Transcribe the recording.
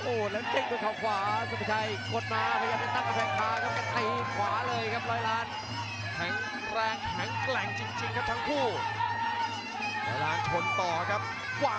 โอ้แล้วเต้นตัวเขาขวา